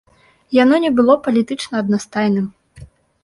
Яно не было палітычна аднастайным.